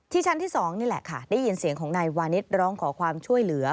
ชั้นที่๒นี่แหละค่ะได้ยินเสียงของนายวานิสร้องขอความช่วยเหลือ